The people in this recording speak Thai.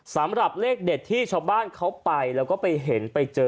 สำหรับเลขเด็ดที่ชาวบ้านเขาไปแล้วก็ไปเห็นไปเจอ